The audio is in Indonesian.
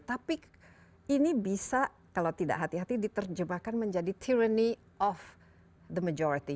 tapi ini bisa kalau tidak hati hati diterjemahkan menjadi tyranny of the majority